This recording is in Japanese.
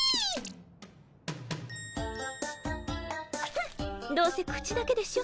フンどうせ口だけでしょ。